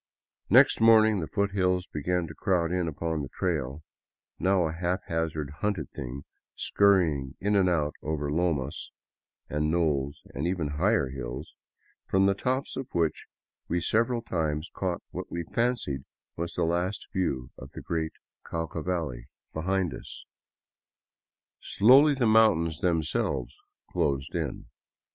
Next morning the foothills began to crowd in upon the trail, now a haphazard hunted thing scurrying in and out over lomas and knolls and ever higher hills, from the tops of which we several times caught what we fancied was the last view of the great Cauca valley behind 85 VAGABONDING DOWN THE ANDES us. Slowly the mountains themselves closed in.